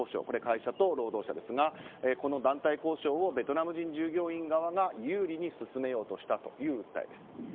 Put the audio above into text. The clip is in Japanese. これは会社と労働者ですがこの団体交渉をベトナム人従業員側が有利に進めようとしたという訴えです。